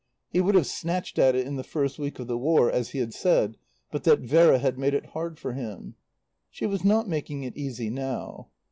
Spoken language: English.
He would have snatched at it in the first week of the War, as he had said, but that Vera had made it hard for him. She was not making it easy now.